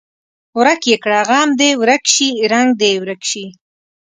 ورک یې کړه غم دې ورک شي رنګ دې یې ورک شي.